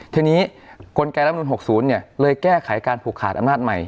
ทีนี้กลไกรรัฐมนุน๖๐เลยแก้ไขการผูกขาดอำนาจใหม่